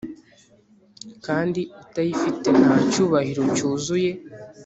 Kandi utayifite nta cyubahiro cyuzuye